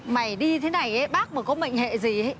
mày đi thế này bác mà có mệnh hệ gì